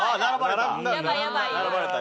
並ばれた。